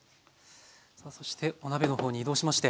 そしてお鍋の方に移動しまして。